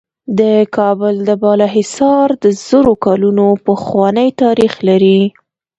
د کابل د بالا حصار د زرو کلونو پخوانی تاریخ لري